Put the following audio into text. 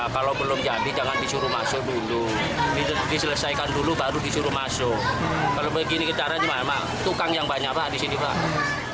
kalau belum jadi jangan disuruh masuk dulu diselesaikan dulu baru disuruh masuk kalau begini kejaran cuma emang tukang yang banyak banget disini